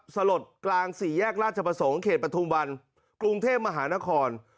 สลดกลางสี่แยกราชประสงค์เขตปฐุมวันกรุงเทพมหานคร